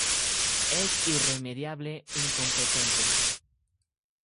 Es irremediablemente incompetente".